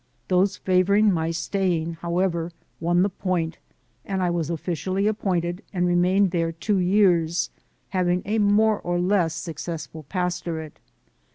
Those favoring my staying, however, won the point, and I was officially appointed and re mained there two years, having a more or less suc cessful pastorate.